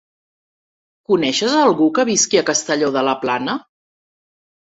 Coneixes algú que visqui a Castelló de la Plana?